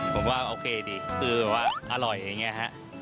บอกว่าโอเคดิคือแบบว่าอร่อยอย่างนี้ฮะ